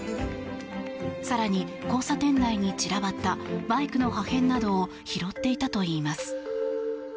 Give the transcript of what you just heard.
更に、交差点内に散らばったバイクの破片などを拾っていたといいます。